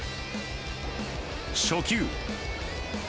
初球。